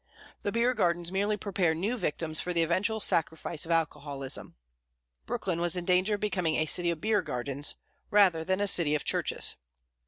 The beer gardens merely prepare new victims for the eventual sacrifice of alcoholism. Brooklyn was in danger of becoming a city of beer gardens, rather than a city of churches.